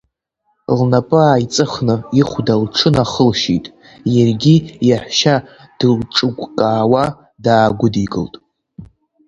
Лнапы ааиҵыхны, ихәда лҽынахылшьит, иаргьы иаҳәшьа дылҿыгәкаауа даагәыдикылт.